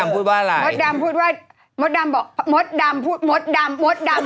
พูดว่าอะไรอะ